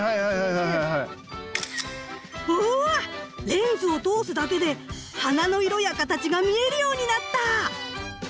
レンズを通すだけで花の色や形が見えるようになった！